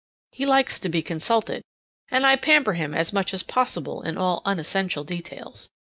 He likes to be consulted, and I pamper him as much as possible in all unessential details.